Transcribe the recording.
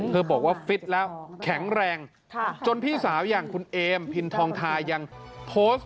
บอกว่าฟิตแล้วแข็งแรงจนพี่สาวอย่างคุณเอมพินทองทายังโพสต์